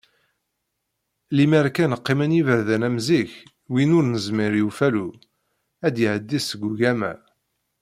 Limer kan qqimen yiberdan am zik, win ur nezmir i ufalu ad d-iεeddi seg ugama.